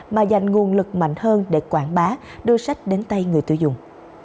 mà dành nguồn lực mạnh hơn để quảng bá đưa sách đến tay người tiêu dùng